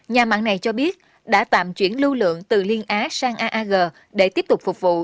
nhà mạng này cho biết đã tạm chuyển lưu lượng từ liên á sang aag để tiếp tục phục vụ